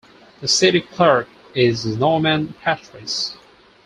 The city clerk is Normand Patrice.